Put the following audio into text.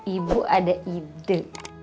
ibu ada ide